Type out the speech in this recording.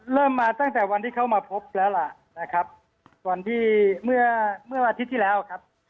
เริ่มมาตั้งแต่วันที่เขามาพบแล้วล่ะนะครับวันที่เมื่อเมื่ออาทิตย์ที่แล้วครับ